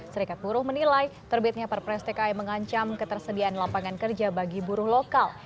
serikat buruh menilai terbitnya perpres tki mengancam ketersediaan lapangan kerja bagi buruh lokal